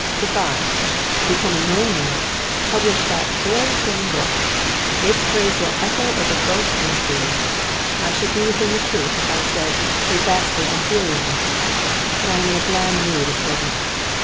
If I, become a known man, publish that very same book, its praise will echo over both hemispheres. I should be within the truth if I had said "a vastly inferior book," But I am in a bland mood at present.